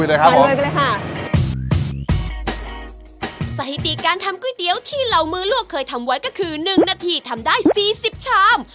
สถิติการทำก๋วยเตี๋ยวที่เหล่ามือลูกเคยทำไว้ก็คือ๑นาทีทำได้๔๐ชาม